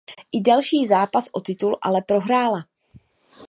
I další zápas o titul ale prohrála.